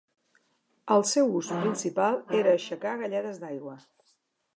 El seu ús principal era aixecar galledes d'aigua.